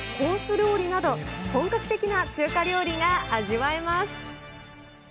料理など、本格的な中華料理が味わえます。